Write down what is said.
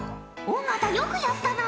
尾形よくやったな。